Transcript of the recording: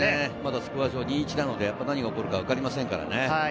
スコア上、２対１なので何が起こるか分かりませんからね。